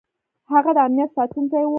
هغه د امنیت ساتونکی و.